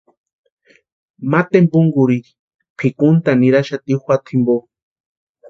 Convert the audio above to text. Ma tempunkurhiri pʼikuntʼani niraxati juata jimpo.